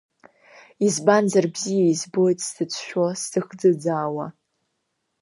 Избанзар бзиа избоит сзыцәшәо, сзыхӡыӡаауа.